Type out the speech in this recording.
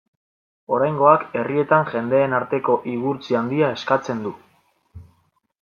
Oraingoak herrietan jendeen arteko igurtzi handia eskatzen du.